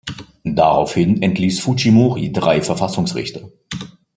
Daraufhin entließ Fujimori drei Verfassungsrichter.